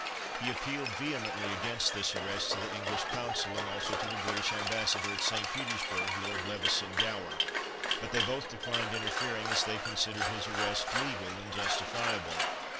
He appealed vehemently against this arrest to the English Consul, and also to the British Ambassador at St. Petersburg, Lord Levison Gower; but they both declined interfering, as they considered his arrest legal and justifiable.